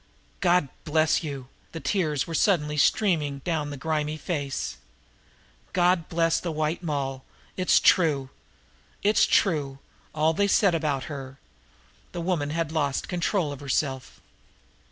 "God bless you!" The tears were suddenly streaming down the grimy face. "God bless the White Moll! It's true! It's true all they said about her!" The woman had lost control of herself.